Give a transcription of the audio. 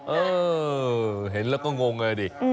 เออเห็นแล้วก็งงไงดิ